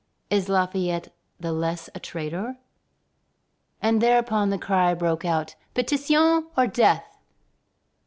Is Lafayette the less a traitor?" And thereupon the cry broke out: "Pétion or death!"